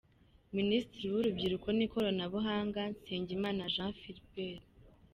Minisitiri w’Urubyiruko n’Ikoranabuhanga : Nsengimana Jean Philbert